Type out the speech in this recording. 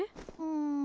うん。